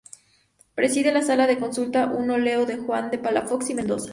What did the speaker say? Preside la sala de consulta un óleo de Juan de Palafox y Mendoza.